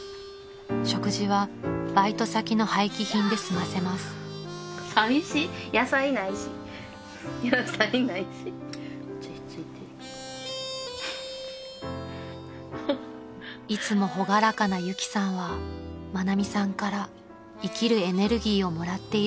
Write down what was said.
［食事はバイト先の廃棄品で済ませます］［いつも朗らかなユキさんは愛美さんから生きるエネルギーをもらっているようでした］